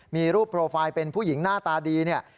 มีรูปโปรไฟล์เป็นผู้หญิงหน้าตาดีเนี่ย